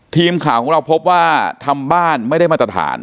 ทีมข่าวของเราพบว่าทำบ้านไม่ได้มาตรฐาน